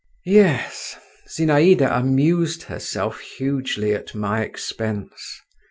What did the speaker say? Yes, Zinaïda amused herself hugely at my expense.